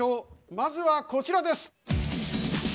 まずはこちらです！